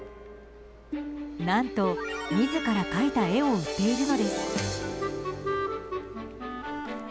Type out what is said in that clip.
何と、自ら描いた絵を売っているのです。